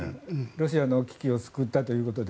ロシアの危機を救ったということで。